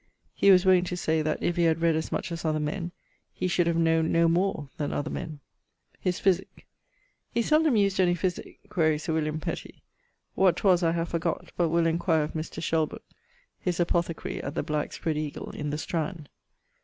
He was wont to say that if he had read as much as other men, he should have knowne no more then other men. His physique. He seldome used any physique (quaere Sir W P). What 'twas I have forgot, but will enquire of Mr. Shelbrooke his apothecary at the Black Spread eagle in the Strand.